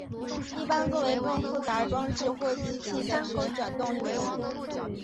一般作为更复杂装置或机器的旋转动力源。